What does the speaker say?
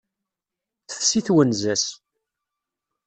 Tefsi twenza-s.